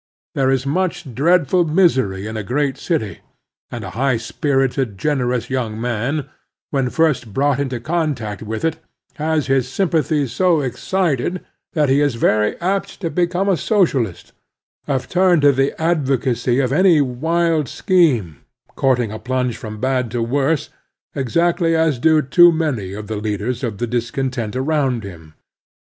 There is much dreadful misery ^ in a great city, and a high spirited, generous young man, when first brought into contact with it, has his syx]:^>athies, scL excited that he is very apt to become a socialist, or turn to the advocacy of any wild scheme, courting a plunge from bad to worse, exactly as do too many of the leaders of the discon tent arotmd him.